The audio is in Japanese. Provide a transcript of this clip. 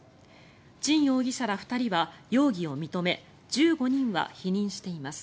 チン容疑者ら２人は容疑を認め１５人は否認しています。